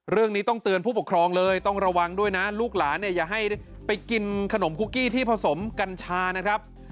เรื่องนี้ต้องเตือนผู้ปกครองเลยต้องระวังด้วยนะลูกหลานเนี่ยอย่าให้ไปกินขนมคุกกี้ที่ผสมกัญชานะครับ